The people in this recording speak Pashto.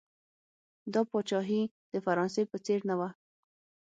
دا پاچاهي د فرانسې په څېر نه وه.